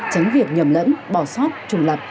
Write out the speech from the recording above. tránh việc nhầm lẫn bỏ sót trùng lập